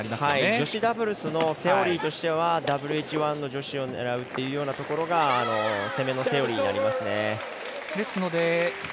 女子ダブルスのセオリーとしてはＷＨ１の女子を狙うっていうところが攻めのセオリーになりますよね。